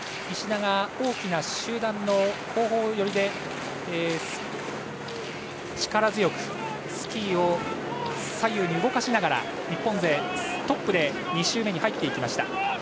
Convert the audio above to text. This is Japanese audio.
石田が大きな集団の後方寄りで力強くスキーを左右に動かしながら日本勢トップで２周目に入っていきました。